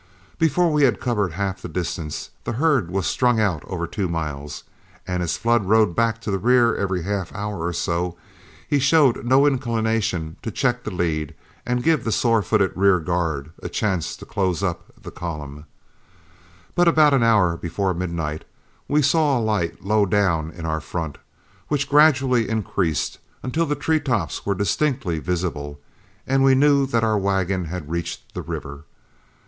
Before we had covered half the distance, the herd was strung out over two miles, and as Flood rode back to the rear every half hour or so, he showed no inclination to check the lead and give the sore footed rear guard a chance to close up the column; but about an hour before midnight we saw a light low down in our front, which gradually increased until the treetops were distinctly visible, and we knew that our wagon had reached the river.